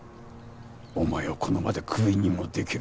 お前をこの場でクビにもできる。